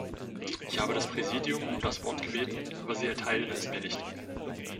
Ich habe das Präsidium um das Wort gebeten, aber Sie erteilen es mir nicht.